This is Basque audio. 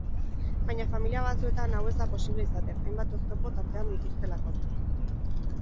Baina familia batzuetan hau ez da posible izaten, hainbat oztopo tartean dituztelako.